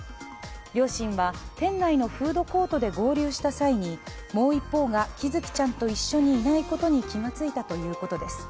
両親は、店内のフードコートで合流した際にもう一方が喜寿生ちゃんと一緒にいないことに気が付いたということです。